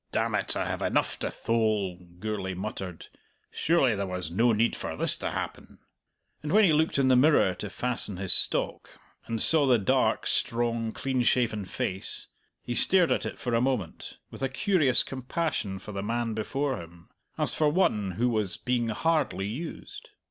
"Damn it, I have enough to thole," Gourlay muttered; "surely there was no need for this to happen." And when he looked in the mirror to fasten his stock, and saw the dark, strong, clean shaven face, he stared at it for a moment, with a curious compassion for the man before him, as for one who was being hardly used.